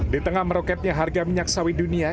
di tengah meroketnya harga minyak sawit dunia